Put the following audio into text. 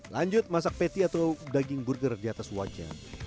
lanjut masak patty atau daging burger di atas wajah